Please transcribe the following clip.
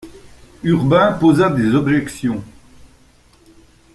Urbain posa des objections.